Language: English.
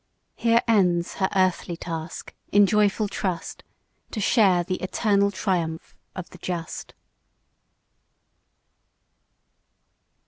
Here ends her earthly task; in joyful trust To share the eternal triumph of the just.